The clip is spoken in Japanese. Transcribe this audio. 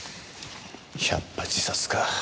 やっぱ自殺か。